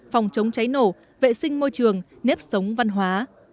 phòng chống cháy nổ vệ sinh môi trường nếp sống văn hóa